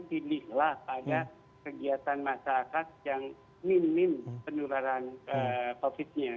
pilihlah pada kegiatan masyarakat yang minim penularan covid nya